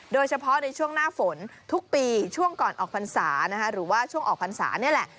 โดยเฉพาะในช่วงหน้าฝนทุกปีช่วงก่อนออกพรรษาหรือว่าช่วงออกพรรษานี่แหละ